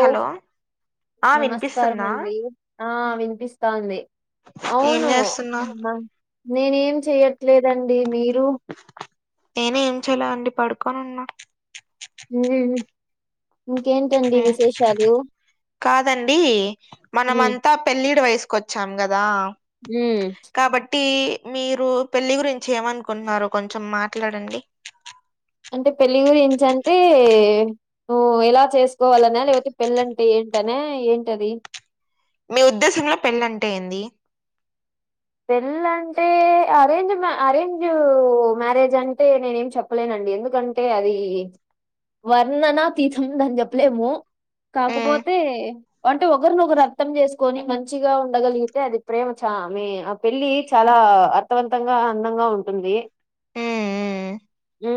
Hello ఆ నమస్కారం వినిపిస్తుందా అండి ఆ వినిపిస్తాంది ఏం అవును చేస్తున్నా ఊన నేనేం చెయ్యట్లేదండి మీరు నేను ఏం చెయ్ల్యా అండి పడుకోనున్నా ఇంగా ఏమి ఇంకేంట ఆ కాదండి ఉమ్, మనమంతా పెళ్ళీడు వయసు కొచ్చాం గదా ఊ కాబట్టి మీరు పెళ్ళి గురించి ఏమనుకున్నారు కొంచం మాట్లాడండి అంటె పెళ్ళిగురించంటే ఓ ఎలా చేస్కోవాలన లేవోతె పెళ్ళంటే ఏంటనా ఏంటది మీ ఉద్దేశంలో పెళ్ళంటే ఏంది పెళ్ళంటే అరేంజు మ్యా అరేంజూ మ్యారేజంటే నేనేమ్ చొప్ ప్పలేనండి ఎందుకంటే అదీ వర్ణనాతీతం దాన్ జొప్లేము మ్మ్ కాకబోతే వంటే ఒగర్నొగరు అర్థం జేస్కొని మంచిగా ఉండగలిగితే అది ప్రేమ చా మే అప్ పెళ్లీ చాలా అర్థవంతంగా అందంగా ఉంటుంది మ్మ్ ఊ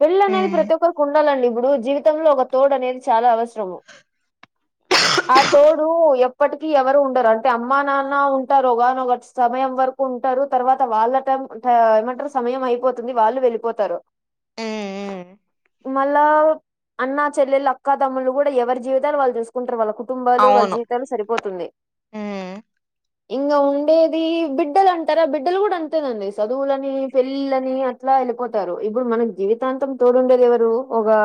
పెళ్లనేది మ్మ్ ప్రతి ఒక్కరు కుండాలండి ఇబ్బుడు జీవితంలో ఒక తోడనేది చాలా అవస్రము ఆ తోడు ఎప్పటికి ఎవరు ఉండరు అంటే అమ్మా నాన్న ఉంటరు ఒగానొగ సమయం వర్ ఉంటరు తర్వాత వాళ్ళ టై ఆ ఏమంటరు సమయం అయిపోతుంది వాళ్ళు వెళ్ళిపోతారు మ్మ్ మళ్ళా అన్నా చెల్లెలు అక్క తమ్ముళ్ళు గూడా ఎవరి జీవితాన్నీ వాళ్ళు చూస్ కుంటరు వాళ్ళ కుటుంబాలు వాళ్ళ అవును జీవితాలు సరిపోతుంది మ్మ్ ఇంగ ఉండేది బిడ్డలు అంటరా బిడ్డలు గూడా అంతేనండి చదువులని పెళ్ళిని అ అట్లా ఎళ్ళిపోతారు ఇప్పుడు మనకి జీవితాంతం తోడుండేది ఎవరు ఒక గా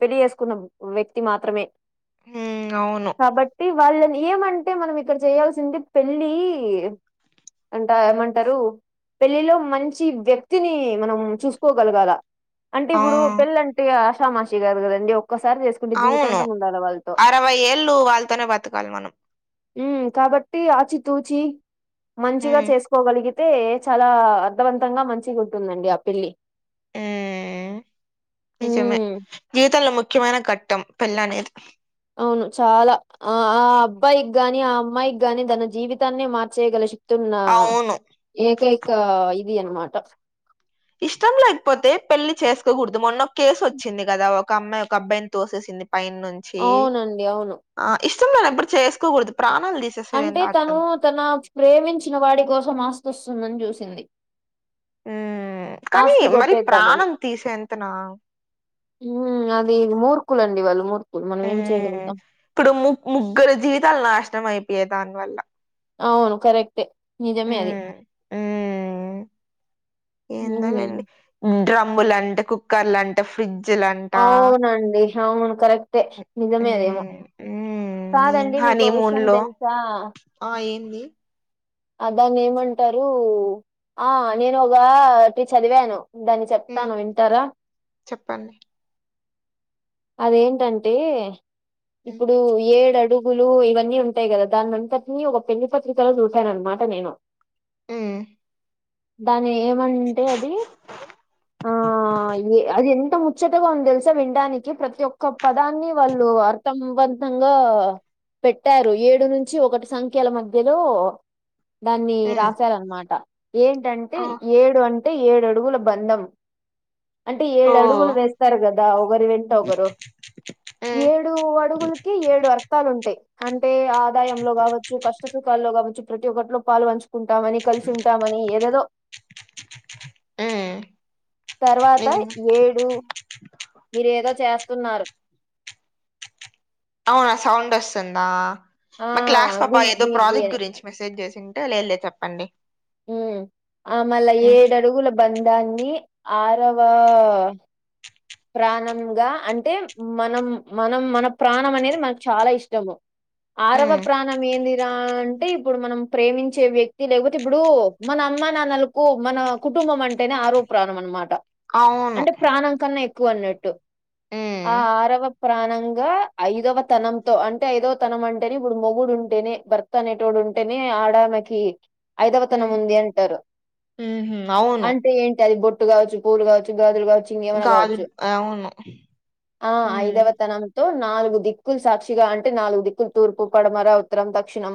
పెళ్లి చేసుకున్న వ్యక్తి మాత్రమే ఉ అవును కాబట్టి వాళ్ళని ఏమంటే మనం ఇక్కడ చేయాల్సింది పెళ్ళి అంటా ఏమంటారు పెళ్ళిలో మంచి వ్యక్తిని మనం చూసుకోగలగాల అంటే ఆ ఇప్పుడు పెళ్ళి అంటే ఆషామాషి గాదు గదండి ఒక్కసారి చేస్క్ అవును అరవై ఏళ్ళు వాళ్ళతోనే బతకాలి మనం ఉ కాబట్టి ఆచితూచి మంచిగా మ్మ్ చేసుకోగలిగి అయితే చాలా అర్ధవంతంగా మంచిగా ఉంటుందండి ఆ పెళ్ళి మ్మ్ నిజమే ఉమ్ జీవితంలో ముఖ్యమైన ఘట్టం పెళ్లి అనేది అవును చాలా ఆ ఆ అబ్బాయికి గాని ఆ అమ్మాయికి గాని తన జీవితాన్ని మార్చేయగల శక్ తున్న అవును ఏకైక ఇది అన్మాట ఇష్టం లేకపోతే పెళ్లి చేసుకోగూడదు మొన్న కేసు ఓచ్చింది గదా ఒక అమ్మాయి ఒక అబ్బాయిని తోసేసింద్ పైన నుం అవునండి అవును ఆ ఇష్టంలేనప్పుడు చేసుకోగూడదు ప్రాణాలు తీస్ అంటే తను తన ప్రేమించిన వాడి కోసం ఆస్తి వస్తుందని చూసింది ఉమ్ కని మరి ప్రాణం తీసేంతనా ఊ అది మూర్కులు అండి వాళ్ళు మూర్కులు మనం ఏం ఉమ్ చేయగలుగుతాం ఇప్పుడు ము ముగ్గురు జీవితాలు నాశనం అయిపోయి దాని వల్ల అవును కరెక్టే నిజమే అది ఉమ్ ఉమ్ ఊ హు ఏందోలేండి డ్రమ్ములంట కుక్కర్లంట ఫ్రిడ్ అవునండి అవును కరెక్టే నిజమే అది ఎమో ఊ కాదండి మీకో విషయం తెలుసా ఆ ఏంది అ దాన్ని ఏమంటారు ఆ నేను ఒగా టీ చదివాను దాన్ని ఉమ్ చెప్తాను వింటారా చెప్పండి అదేంటంటే ఉమ్ ఇప్పుడు ఏడుఅడు పూలు ఇవన్నీ ఉంటాయి గదా దానింతటినీ ఒక పెళ్లి పత్రికలో చూశాన్ అనమాట నేను ఉ దాని ఏమంటే అది ఆ ఏ అది ఎంత మోత్త ముచ్చటగా ఉంది తెలుసా వినడానికి ప్రతి ఒక్క పదాన్ని వాళ్ళు అర్థంవంతంగా పెట్టారు ఏడు నుంచి ఒకటి సంఖ్యల మధ్యలో దాన్ని ఉమ్ రాశారనమాట ఏంటంటే ఆ ఏడు అంటే ఏడు అడుగుల బంధం అంటే ఓ ఏడు అడుగులు ఉమ్ వేస్తారు గదా ఒకరు వెంట ఒకరు ఏడు అడుగులకి ఏడు అర్థాలు ఉంటయి అంటే ఆదాయంలో గావచ్చు కష్ట సుఖాల్లో గావచ్చు ప్రతి ఒక్కటిలో పాలు పంచు కుంటామని కలిసి ఉంటామని ఏదేదో ఉమ్ తర్వాత నిజమే ఏడు మీరు ఏదో చేస్తున్నారు అవునా సౌండ్ వస్తుందా ఆ మా క్లాస్ లో గుయ్ బాగా ఏదో గుయ్ గుయ్ ప్రాజెక్ట్ అని గురించి మెసేజ్ చేసుంటే లెదు లేదు చెప్పండి ఉ ఆ మళ్ళ ఉమ్ ఏడడుగుల బంధాన్ని ఆరవా ప్రాణంగా అంటే మనం మనం మన ప్రాణం అనేది మనకు చాలా ఇష్టము. ఆరవ ఉమ్ ప్రాన్ మనం ఏందిరా అంటే ఇప్పుడు మనం ప్రేమించే వ్యక్తి లేకపోతే ఇప్పుడు మన అమ్మ నాన్నలు ఓ మన కుటుంబం అంటేనే ఆరో ప్రాణం అన్న మాట అవును అంటే ప్రాణం కన్నా ఎ క్కువ అన్నట్టు ఆ ఉమ్ ఆరవ ప్రాణంగా ఐదవతనంతో అంటే ఐదవతనం అంటేనే ఇప్పుడు మొగుడు ఉంటేనే భర్త అనేటోడు ఉంటెనే ఆడామకి ఐదవతనం ఉమ్ ఉంది అంటారు ఉహు అవును అంటే ఏంటది బొట్ ట్టు గావచ్చు, పూలు కావచ్చు, గాజులు కావచ్చు ఇంకేమైనా కాదు కావచ్చు. అవును ఆ ఉమ్ ఐదవతనం తో నాలుగు దిక్కులు సాక్షిగా అంటే నాలుగు దిక్కులు తూర్పు, పడమర, ఉత్తరం, దక్షిణం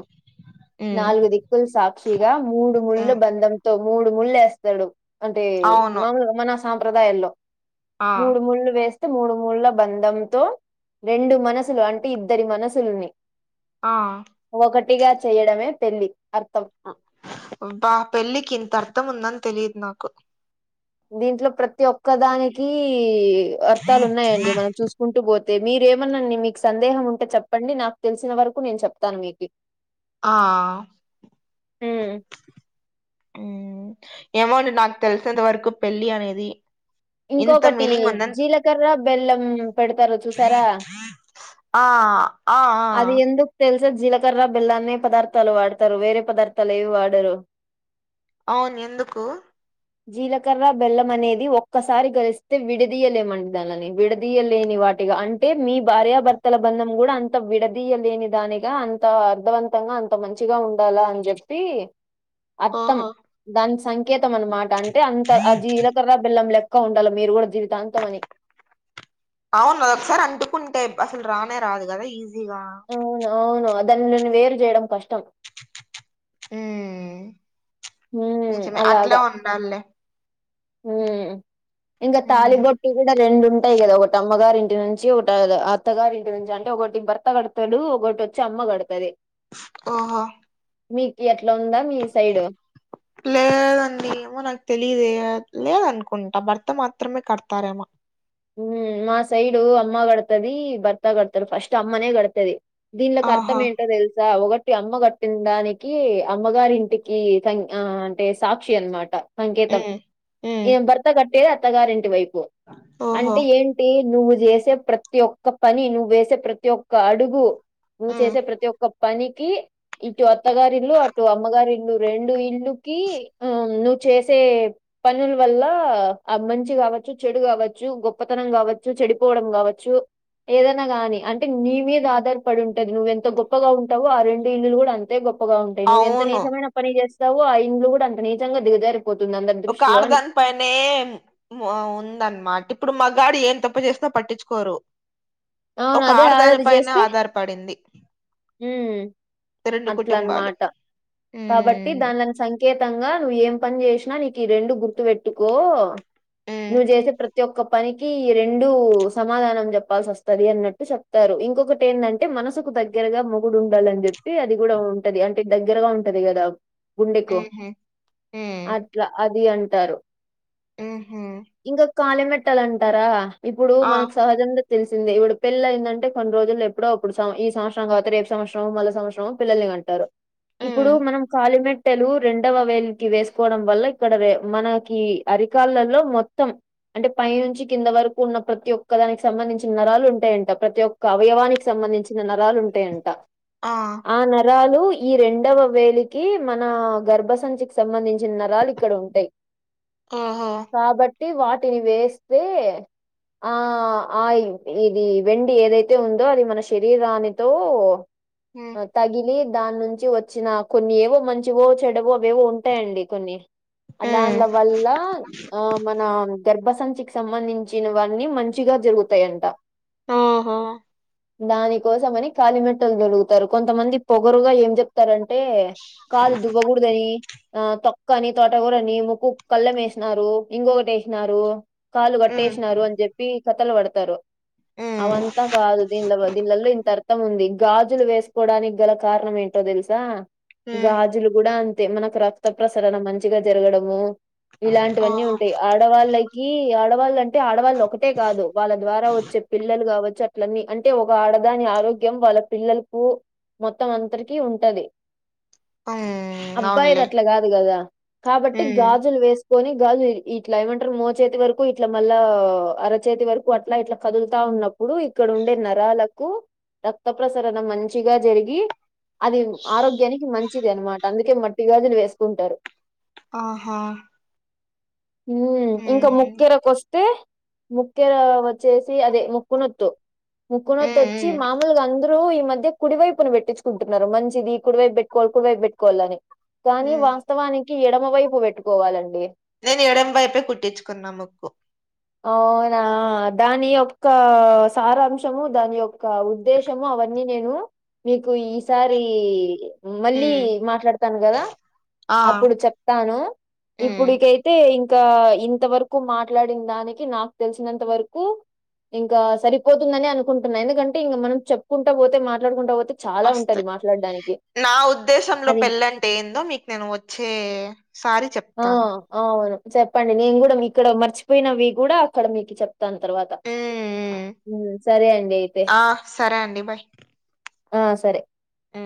ఉమ్ నాలుగు దిక్కుల సాక్షిగా మూడు ముళ్ళ ఉమ్ బంధంతో మూడు ముళ్ళు ఏస్తాడు. అంటే అవును మాములుగా మన సాంప్రదాయంలో ఆ మూడు ముళ్ళు వేస్త మూడు మూళ్ల బంధంతో రెండు మనసులు అంటే ఇద్దరి మనసులుని ఆ ఒకటిగా చెయడమే పెళ్లి అర్థం ఉ అబ్బా పెళ్ళికి ఇంత అర్ధం ఉందని తెలియదు నాకు దీంట్లో ప్రతి ఒక్క దానికి అర్థాలు ఉన్నాయండి మనం చూస్ కుంటు పోతే మీరేమన్నాండి మీకు సందేహం ఉంటే చెప్పండి నాకు తెలిసిన వరకు నేను చెప్తాను మీకు. ఆ ఉమ్. ఉ ఏమోండి నాకు తెలిసంత వరకు పెళ్ళి అనేది ఇంత ఇంకొకటి మీనింగ్ ఉందని జీలకర్ర బెల్లం పెడతారు చూసారా? ఆ ఆ ఆ అది ఎందుకు తెలుసా జీలకర్ర బెల్లాన్ని పదార్థాలు వాడతారు వేరే పదార్థాలు ఏవి వాడరు. అవును ఎందుకు? జీలకర్ర బెల్లం అనేది ఒక ఒక్కసారి గలిస్తే విడదీయలేమండి దానిని విడదీయలేని వాటిగా అంటే మీ భార్యభ ర్తల బంధం కూడా అంత విడదీయలేని దానిగా అంత అర్ధవంతంగా అంత మంచిగా ఉండాలా అని చెప్ప టీ అర్థం ఓహో దాని సంకేతం అన్నమాట అంటే అంత ఆ జీలకర్ర బెల్లం లె క్క ఉండాల మీరు కూడా జీవితాంతమని అవును ఒకసారి అంటుకుంటే అసలు రానే రాదు కదా ఈజీగా. అవును అవును దాన్ని నన్ను వేరు చేయడం కష్టం. ఊ ఉమ్ నిజమే అట్లా ఉండాలి లే ఉ ఇంకా ఉమ్ తాలిబొట్టి కూడా రెండు ఉం టాయి కదా ఒకటి అమ్మగారి ఇంటి నుంచి, ఒక అత్తగారి ఇంటి నుంచి అంటే ఒకటి భర్త కడతాడు ఒకటి వచ్చి అమ్మ కడత సరే ఓహో మీకు ఎట్లా ఉందా మీ సైడు? లేదండి ఏమో నాకు తెలియదు లేదనుకుంటా భర్త మాత్రమే కడతారేమో ఉమ్ మా సైడు అమ్మ గడతది భర్త గడతాడు ఫస్ట్ అమ్మనే గడతది దినీలో ఆహా కర్తము ఏంటో తెల్సా ఒకట్ టి అమ్మ కట్టిన్దానికి అమ్మగారి ఇంటికి క అంటే సాక్షి అనమాట సంకేతం ఉమ్ ఉమ్ ఏ భర్త కట్టేది అత్తగారి ఇంటి వైపు ఓహో అంటే ఏంటి నువ్వు చేసే ప్రతి ఒక్క పని నువ్వు వేసే ప్రతి ఒక్క అడుగు నువ్వు ఉమ్ చేసే ప్రతి ఒక్క పనికి ఇటు అత్తగారిల్లు అటు అమ్మగారిల్లు రెండు ఇల్లుకి ఆ నువ్వు చేసే పనుల వల్ల మంచి కావచ్చు చెడు కావచ్చు చ్చు గొప్పతనం కావచ్చు చెడిపోవడం కావచ్చు ఏదన్నా గాని అంటే నీ మీద ఆధారపడి ఉంటది నువ్వు ఎంత గొప్పగా ఉంటావో ఆ రెండు ఇల్లు కూడా అ తే గొప్పగా ఉంటాయి నువ్వు ఎంత అవును నీచమైన పని చేస్తావో ఆ ఇల్లు కూడా అంత నీచంగా దిగజారిపోతుంది అందరు ఒక ఆడదాన్ పనే ఉందన్నమాట ఇప్పుడు మాగాడు ఏం తప్పు చేసిన పట్టించుకోరు. అవును. ఒక అదే ఆడది ఆడదానిపైన ఆధారపడింది మ్ రెండు కుటుంబాలు అట్లన్నమాట కాబట్టి హ్మ్ దానిని సం కేతంగా నువ్వు ఏం పని చేసినా నీకు ఈ రెండు గుర్తు పెట్టుకో హ్మ్ నువ్వు చేసే ప్ర తి ఒక్క పనికి ఈ రెండు సమాధానం చెప్పాల్సి వస్తది అన్నట్టు చెప్తారు ఇంకొకటి ఏందన్ టే మనసుకు దగ్గరగా మొగుడు ఉండాలిని చెప్పి అది కూడా ఉంటది అంటే దగ్గరగా ఉంటది కదా గుండెకు ఉహూ హ్మ్ అట్లా అది అంటారు. ఉహూ ఇంకా కాలి మెట్టెలంటారా ఇప్పుడు ఆ మనకు సహజంగా తెలిసిందే ఇప్పుడు పెళ్లి అయిందంటే కొన్ని రోజులు ఎప్పుడో అప్పుడు స ఈ స కాపోతే రేపు సంవత్సరం మళ్ల సంవత్సరం పిల్లల్ని అంటారు ఇప్పుడు హ్మ్ మనం కాళీమేట్ మెట్టెలు రెండవ వేలుకి వేసుకోవడం వల్ల ఇక్కడ రె మనకి అరికాళ్ళలో మొత్తం అంటే పై నుంచి కింద వరకు ఉన్న ప్రతి ఒక్క దానికి సంబంధించిన నరాలు ఉంటాయంట ప్రతి ఒ క్క అవయవానికి సంబంధించిన నరాలు ఉంటాయంట ఆ ఆ నరాలు ఈ రెండోవ వేలికి మన గర్భసంచికి సంబంధించిన నరాలు ఇక్కడ ఉంటాయి. ఆహా కాబట్టి వాటిని వేస్తే ఆ ఆ ఇది వెండి ఏదైతే ఉందో అది మన శరీరాన్ని దో మ్ తగిలి దాని నుంచి వచ్చిన కొన్ని ఏవో మంచివో చెడవో అవేవో ఉంటాయండి కొన్ని హ్మ్ దాని వల్ల ఆ మన గర్భసంచికి సంబంధించినవన్నీ మంచిగా జరుగుతాయంట ఆహా దాని కోసమని కాలి మెట్టేలు తొడుకుతారు కొంతమంది పొగరుగా ఏం చెప్తారంటే కాలు దురదపుడతాది ఆ తొక్కని తోట కూరని ముక్కు కళ్ళెం వేసినారు ఇంకొకటి వేసినారు కాలు హ్మ్ కట్టేసినారు అని చెప్పి కథలు పడతారు. హ్మ్ అవంతా కాదు దీన్లవో దీన్లల్లో ఇంటారు త ఉంది గాజులు వేసుకోడానికి గల కారణం ఏంటో తెలుసా గా హ్మ్ జులు కూడా అంతే మనకు రక్త ప్రసరణ మంచిగా జరగడము ఇలాంటివన్నీ ఓహో ఉంటాయి. ఆడవాళ్ళకి ఆడవాళ్ళ అంటే ఆడవాళ్ళు ఒకటే కాదు వాళ్ళ ద్వారా వచ్చే పిల్లలు కావచ్చు అలన్నీ అంటే ఒక ఆడదాని ఆరోగ్యం వాళ్ళ పిల్లలకు మొత్తం అంతరికి ఉంటది హ్మ్ అబ్బాయిది అవునులే అట్లా కాదు కదా కాబట్టి హ్మ్ గాజులు వేస్ కొని గాజులు ఇట్లా ఏమంటారు మో చేతి వరకు ఇట్ల మళ్ళ అరచేతి వరకు అట్లా ఇట్లా కదులుతా ఉన్నప్పు ప్పుడు ఇక్కడ ఉండే నరాలకు రక్త ప్రసరణ మంచిగా జరిగి అది ఆరోగ్యానికి మంచి మంచిది అనమాట అందుకే మట్టిగాజులు వేసుకుంటారు ఆహా హు ఇంకా హ్మ్ ముక్కెర కోస్తే ముక్కెల వచ్చేసి అదే ముక్కునొత్తు ముక్కునొత్ వచ్చి హ్మ్ మామలుగా అందరూ ఈ మధ్య కుడివైపున పెట్టించుకుంటున్నారు మంచిది కుడివైపు పెట్టుకోవాలి కుడివైపు పెట్టుకోవాలి అని కానీ హ్మ్ వాస్తవానికి ఎడమ వైపు పెట్టుకోవాలండి. నేను ఏడం వైపే కుట్టించుకున్నా ముక్కు అవునా దాని యొక్క సారాంశము దాని యొక్క ఉ ఉద్దేశము అవన్నీ నేను మీకు ఈసారి మళ్ళీ హ్మ్ మాట్లాడతాను కదా ఆ అప్పుడు చెప్తాను హ్మ్ ఇప్పుడుకై తే ఇంకా ఇంతవరకు మాట్లాడిన దానికి నాకు తెలిసినంత వరకు ఇంకా సరిపోతుందని అనుకుంటున్నా ఎందుకంటే ఇంక మనం చెప్పుకుంటా పోతే మాట్లాడుకుంటా పోతే అలా ఉంటది వస్తాయి మాట్లాడ నా ఉద్దేశంలో పెళ్ళంటే ఏందో మీకు నేను వచ్చే సారి ఆ చెప్తాను. అవును చెప్పండి నేను కూడా ఇక్కడ మర్చిపోయినవి కూడా అక్కడ మీకు చెప్ప ప్తను తర్వాత హ్మ్ హ్మ్ ఉ సరే అండి అయితే ఆ సరే అండి బాయ్ ఆ సరే ఆ